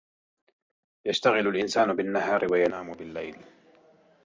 يَشْتَغِلُ الْإِنْسانُ بِالنَّهَارِ وَيَنَامُ بِاللَّيْلِ.